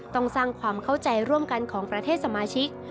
ต้องสร้างความเข้าใจร่วมกันของประเทศสมาชิก